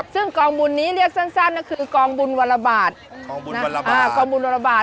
ซึ่งกองบุญนี้เรียกสั้นคือวันละบาท